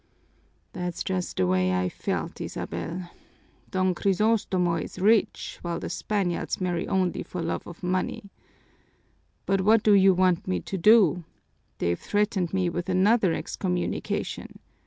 "That's just the way I felt, Isabel. Don Crisostomo is rich, while the Spaniards marry only for love of money. But what do you want me to do? They've threatened me with another excommunication.